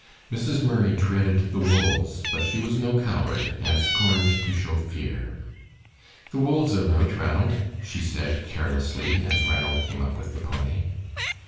Mrs. Murray dreaded the wolves, but she was no coward and scorned to show fear. "The wolves are out, Ranald," she said, carelessly, as Ranald came up with the pony.